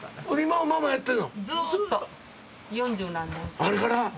あれから？